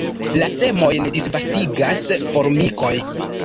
La semojn disvastigas formikoj.